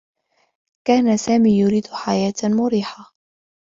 كان سامي يريد حياة مريحة.